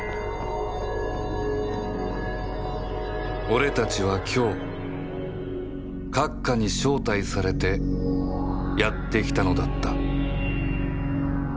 俺たちは今日閣下に招待されてやってきたのだった